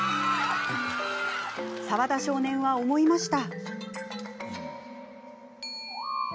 澤田少年は、思いました